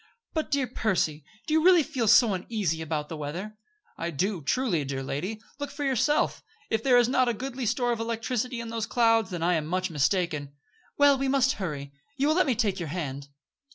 "But, dear Percy, do you really feel so uneasy about the weather?" "I do, truly, dear lady. Look for yourself. If there is not a goodly store of electricity in those clouds, then I am much mistaken." "Well, we must hurry. You will let me take your hand."